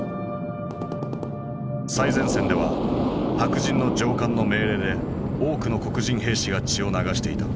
最前線では白人の上官の命令で多くの黒人兵士が血を流していた。